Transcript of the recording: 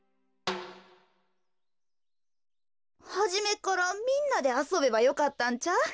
はじめっからみんなであそべばよかったんちゃう？